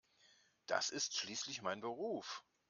Das ist schließlich mein Beruf.